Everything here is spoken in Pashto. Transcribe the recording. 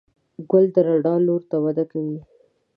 ګل د رڼا لور ته وده کوي.